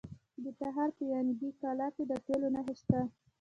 د تخار په ینګي قلعه کې د تیلو نښې شته.